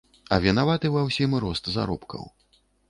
А вінаваты ва ўсім рост заробкаў.